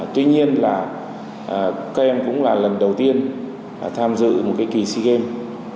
tuy nhiên là các em cũng là lần đầu tiên tham dự một cái kỳ sea games